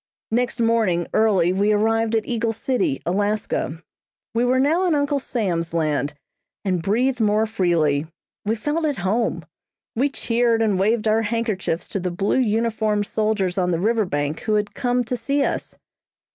Next morning early we arrived at Eagle City, Alaska. We were now in Uncle Sam's land, and breathed more freely. We felt at home. We cheered and waved our handkerchiefs to the blue uniformed soldiers on the river bank who had come to see us.